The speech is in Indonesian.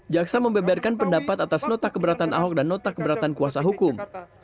jaksa membeberkan pendapat atas nota keberatan ahok dan nota keberatan kuasa hukum